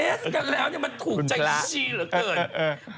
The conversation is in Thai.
ลองสู้กัดแล้วมันถูกใจซี้เหลอะเกิน